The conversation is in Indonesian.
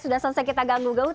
sudah selesai kita ganggu ganggu